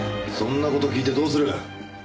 そんな事聞いてどうする？